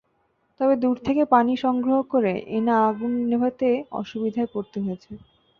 তবে দূর থেকে পানি সংগ্রহ করে এনে আগুন নেভাতে অসুবিধায় পড়তে হয়েছে।